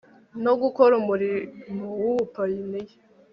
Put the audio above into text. no gukora umurimo w ubupayiniya